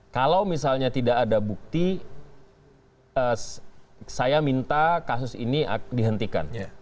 kalau misalnya tidak ada bukti saya minta kasus ini dihentikan